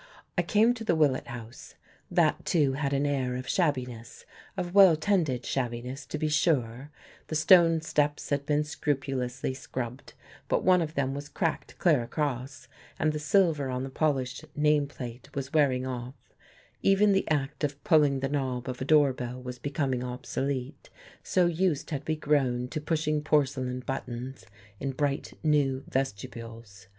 I came to the Willett House. That, too, had an air of shabbiness, of well tended shabbiness, to be sure; the stone steps had been scrupulously scrubbed, but one of them was cracked clear across, and the silver on the polished name plate was wearing off; even the act of pulling the knob of a door bell was becoming obsolete, so used had we grown to pushing porcelain buttons in bright, new vestibules.